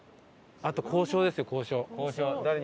あと交渉ですよ交渉。